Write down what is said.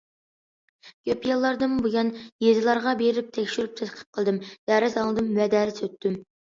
كۆپ يىللاردىن بۇيان، يېزىلارغا بېرىپ تەكشۈرۈپ تەتقىق قىلدىم، دەرس ئاڭلىدىم ۋە دەرس ئۆتتۈم.